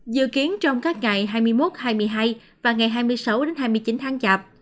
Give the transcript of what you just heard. dự kiến trong các ngày hai mươi một hai mươi hai và ngày hai mươi sáu hai mươi chín tháng chạp